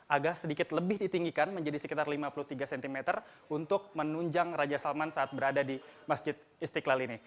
agak sedikit lebih ditinggikan menjadi sekitar lima puluh tiga cm untuk menunjang raja salman saat berada di masjid istiqlal ini